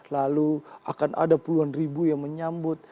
lalu akan ada puluhan ribu yang menyambut